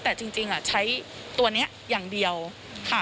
แต่จริงใช้ตัวนี้อย่างเดียวค่ะ